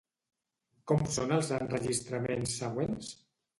Com són els enregistraments següents?